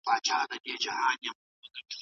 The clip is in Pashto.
موږ به په دې چمن کې نوې تخمونه وکرو.